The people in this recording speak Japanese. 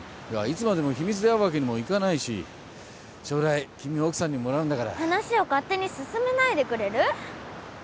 いつまでも秘密で会うわけにもいかないし将来君を奥さんにもらうんだから話を勝手に進めないでくれる？